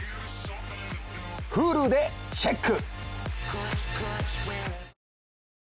Ｈｕｌｕでチェック！